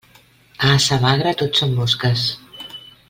A ase magre, tot són mosques.